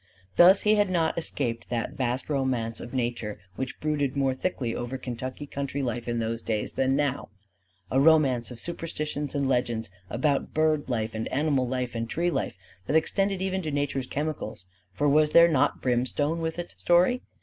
Thus he had not escaped that vast romance of Nature which brooded more thickly over Kentucky country life in those days than now: a romance of superstitions and legends about bird life and animal life and tree life, that extended even to Nature's chemicals; for was there not brimstone with its story?